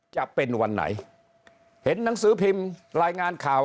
จะเป็นวันไหนเห็นหนังสือพิมพ์รายงานข่าว